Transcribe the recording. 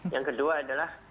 yang kedua adalah